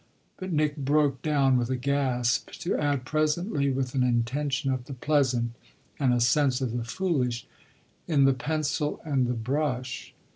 But Nick broke down with a gasp, to add presently, with an intention of the pleasant and a sense of the foolish: "In the pencil and the brush."